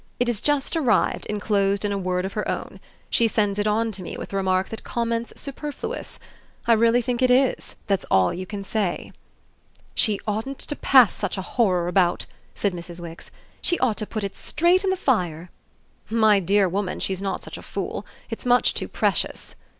"It has just arrived, enclosed in a word of her own. She sends it on to me with the remark that comment's superfluous. I really think it is. That's all you can say." "She oughtn't to pass such a horror about," said Mrs. Wix. "She ought to put it straight in the fire." "My dear woman, she's not such a fool! It's much too precious."